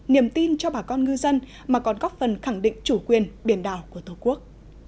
niềm tin cho bà con ngư dân mà còn góp phần khẳng định chủ quyền biển đảo của tổ quốc